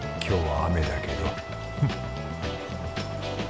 今日は雨だけどフッ。